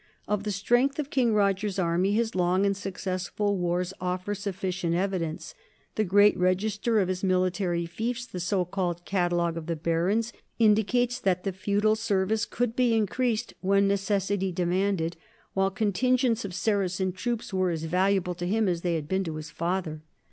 Of the strength of King Roger's army his long and successful wars offer sufficient evidence; the great register of his military fiefs, the so called Catalogue of the Barons, indicates that the feudal service could be increased when neces sity demanded, while contingents of Saracen troops were as valuable to him as they had been to his father.